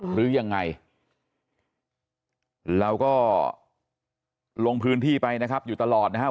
หรือยังไงเราก็ลงพื้นที่ไปนะครับอยู่ตลอดนะครับ